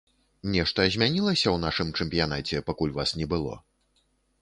Нешта змянілася ў нашым чэмпіянаце, пакуль вас не было?